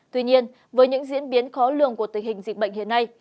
tuy nhiên với những diễn biến khó lường của tình hình dịch bệnh hiện nay